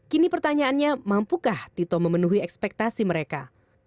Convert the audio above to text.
kini pertanyaannya mampukah tito memenuhi ekspektasi mereka